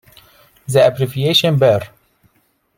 The abbreviation Ber.